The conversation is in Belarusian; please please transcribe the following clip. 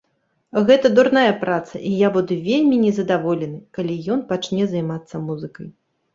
Гэта дурная праца і я буду вельмі незадаволены, калі ён пачне займацца музыкай.